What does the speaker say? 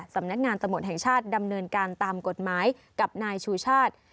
สำนักงานตำรวจแห่งชาติดำเนินการตามกฎหมายกับนายชูชาติ